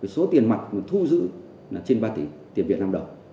số tiền mặt thu giữ là trên ba tỷ tiền việt nam đồng